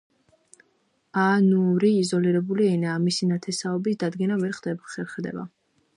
აინუური იზოლირებული ენაა; მისი ნათესაობის დადგენა ვერ ხერხდება.